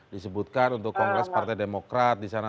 disebutkan untuk kongres partai demokrat disana